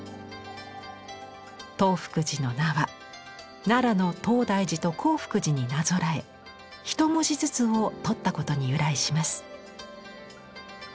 東福寺の名は奈良の東大寺と興福寺になぞらえひと文字ずつを取ったことに由来します。